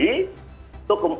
itu dalam keragaman